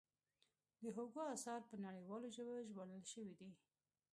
د هوګو اثار په نړیوالو ژبو ژباړل شوي دي.